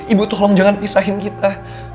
ibu tuh tolong jangan pisahin kita